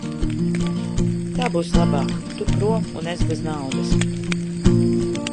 Tā būs labāk; tu prom un es bez naudas.